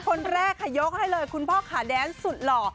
คนแรกค่ะยกให้เลยคุณพ่อขาแดนสุดหล่อ